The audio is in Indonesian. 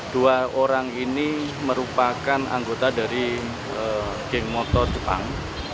dua orang ini merupakan anggota dari geng motor jepang